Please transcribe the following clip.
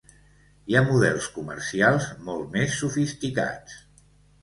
Hi ha models comercials molt més sofisticats.